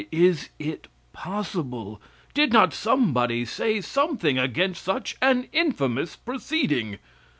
is it possible? Did not somebody say something against such an infamous proceeding?